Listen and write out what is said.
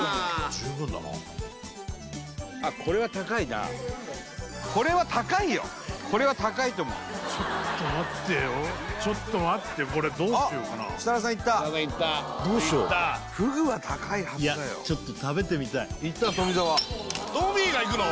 十分だなあっこれは高いなこれは高いよこれは高いと思うちょっと待ってよちょっと待ってこれどうしようかなあっ設楽さんいったいったフグは高いはずだよいやちょっと食べてみたいいった富澤トミーがいくの？